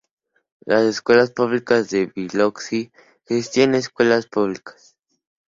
Las Escuelas Públicas de Biloxi gestiona escuelas públicas.